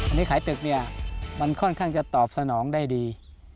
อันนี้ขายตึกเนี่ยมันค่อนข้างจะตอบสนองได้ดี